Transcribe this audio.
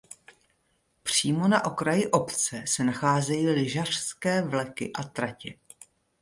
Přímo na okraji obce se nacházejí lyžařské vleky a tratě.